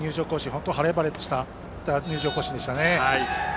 本当、晴れ晴れとした入場行進でしたね。